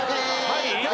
はい？